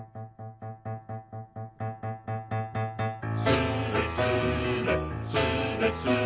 「スレスレスレスレ」